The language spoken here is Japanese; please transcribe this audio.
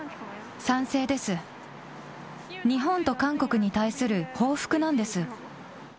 日本と韓国に対する報復なんです。